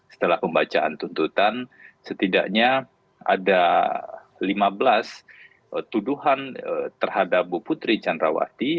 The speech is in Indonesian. setelah pembacaan tuntutan setidaknya ada lima belas tuduhan terhadap bu putri candrawati